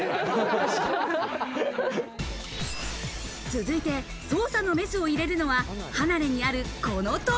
続いて捜査のメスを入れるのは、離れにある、この扉。